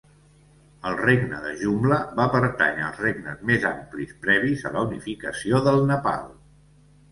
El regne de Jumla va pertànyer als regnes més amplis previs a la unificació del Nepal.